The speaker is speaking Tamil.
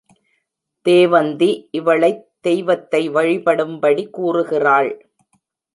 தேவந்தி இவளைத் தெய்வத்தை வழிபடும்படி கூறுகிறாள்.